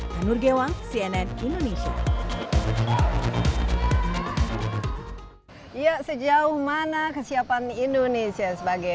tanur gewang cnn indonesia